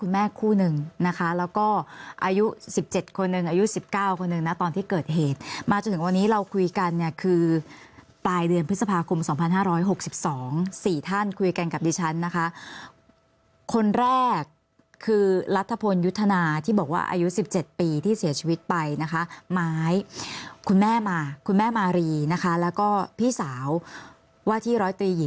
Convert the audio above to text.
แม่คู่หนึ่งนะคะแล้วก็อายุสิบเจ็ดคนหนึ่งอายุสิบเก้าคนหนึ่งนะตอนที่เกิดเหตุมาจนถึงวันนี้เราคุยกันเนี่ยคือปลายเดือนพฤษภาคมสองพันห้าร้อยหกสิบสองสี่ท่านคุยกันกับดิฉันนะคะคนแรกคือรัฐพนธ์ยุทธนาที่บอกว่าอายุสิบเจ็ดปีที่เสียชีวิตไปนะคะไม้คุณแม่มาคุณแม่มารีนะคะแล้วก็พี่สาวว่าที่ร